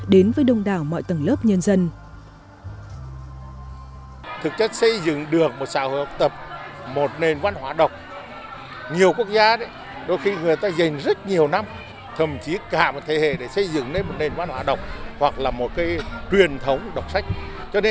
đến với đông đảo mọi tầng lớp nhân dân